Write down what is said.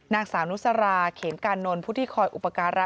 นางสาวนุสราเขมกานนท์ผู้ที่คอยอุปการะ